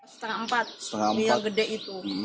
setengah empat biar gede itu